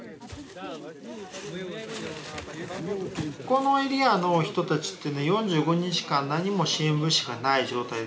このエリアの人たちっていうのは４５日間何も支援物資がない状態で生活してるのね。